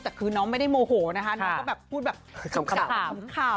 แต่คือน้องไม่ได้โมโหนะคะค่ะน้องก็แบบพูดแบบคำคำคำคำ